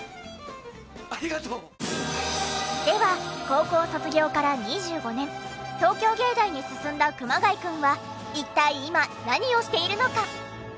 高校卒業から２５年東京藝大に進んだ熊谷くんは一体今何をしているのか？